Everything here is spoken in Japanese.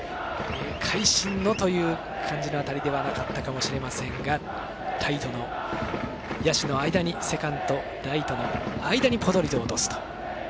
会心のという感じの当たりではなかったかもしれませんが野手の間にセカンドとライトの間にぽとりと落とすと。